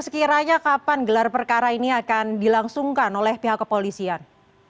sekiranya kapan gelar perkara ini akan dilangsungkan oleh pihak kepolisian